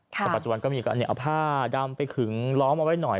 แต่ปัจจุบันก็มีการเอาผ้าดำไปขึงล้อมเอาไว้หน่อย